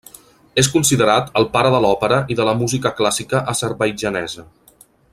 És considerat el pare de l'òpera i de la música clàssica azerbaidjanesa.